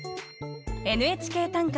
「ＮＨＫ短歌」